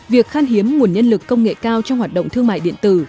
việc khan hiếm nguồn nhân lực công nghệ cao trong hoạt động thương mại điện tử